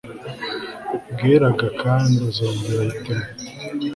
bwera g kandi azongera ahitemo